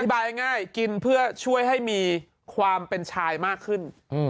ง่ายกินเพื่อช่วยให้มีความเป็นชายมากขึ้น